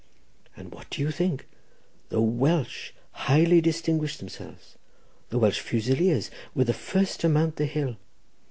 And what do you think? The Welsh highly distinguished themselves. The Welsh fusileers were the first to mount the hill.